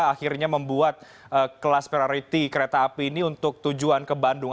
akhirnya membuat kelas priority kereta api ini untuk tujuan ke bandung